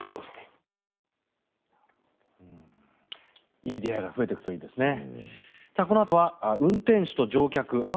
いい出会いが増えていくといいですね。